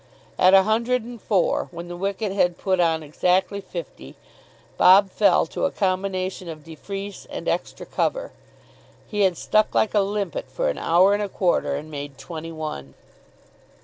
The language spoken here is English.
At a hundred and four, when the wicket had put on exactly fifty, Bob fell to a combination of de Freece and extra cover. He had stuck like a limpet for an hour and a quarter, and made twenty one.